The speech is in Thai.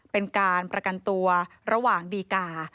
เป็นการประกันตัวระหว่างดีกา